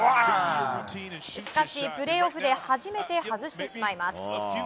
しかしプレーオフで初めて外してしまいます。